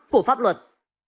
của pháp luật